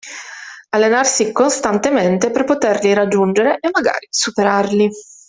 Allenarsi costantemente per poterli raggiungere e, magari, superarli.